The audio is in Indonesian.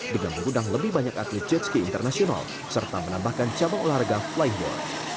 dengan mengundang lebih banyak atlet jetski internasional serta menambahkan cabang olahraga flying war